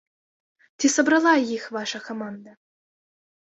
Ці сабрала іх ваша каманда?